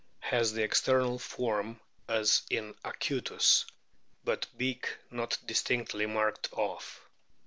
33), has the external form as in acutus, but beak not distinctly marked off.